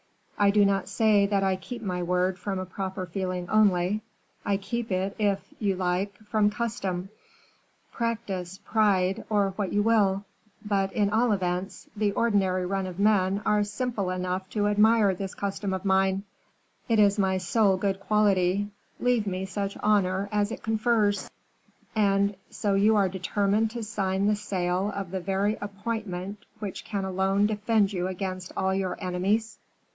I do not say that I keep my word from a proper feeling only; I keep it, if you like, from custom, practice, pride, or what you will; but, at all events, the ordinary run of men are simple enough to admire this custom of mine; it is my sole good quality leave me such honor as it confers." "And so you are determined to sign the sale of the very appointment which can alone defend you against all your enemies."